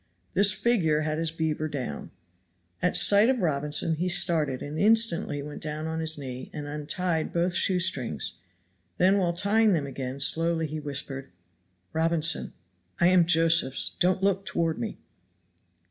This figure had his beaver down. At sight of Robinson he started and instantly went down on his knee and untied both shoe strings; then while tying them again slowly he whispered: "Robinson, I am Josephs; don't look toward me."